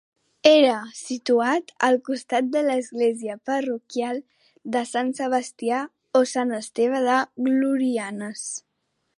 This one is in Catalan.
Era situat al costat de l'església parroquial de Sant Sebastià o Sant Esteve de Glorianes.